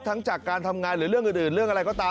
จากการทำงานหรือเรื่องอื่นเรื่องอะไรก็ตาม